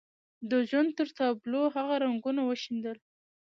د ژوند پر تابلو هغه رنګونه وشيندل.